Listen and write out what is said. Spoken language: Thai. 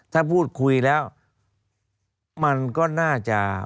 ถ้าพูดคุยแล้วมันก็น่าจะ